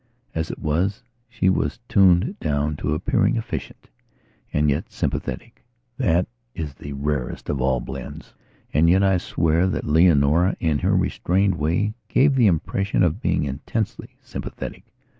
As it was she was tuned down to appearing efficientand yet sympathetic. That is the rarest of all blends. And yet I swear that Leonora, in her restrained way, gave the impression of being intensely sympathetic.